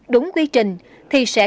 đúng quy trình thì sẽ